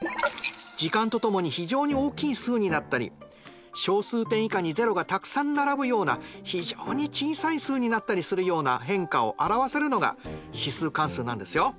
時間とともに非常に大きい数になったり小数点以下に０がたくさん並ぶような非常に小さい数になったりするような変化を表せるのが指数関数なんですよ。